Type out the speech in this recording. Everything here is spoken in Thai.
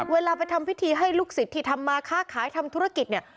เวลาไปทำพิธีให้ลูกศิษย์ที่ทำมาค้าขายทำธุรกิจเนี่ย